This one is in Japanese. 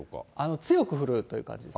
強く降るという感じです。